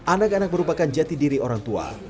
anak anak merupakan jati diri orang tua